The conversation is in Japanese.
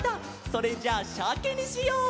それじゃあシャケにしよう！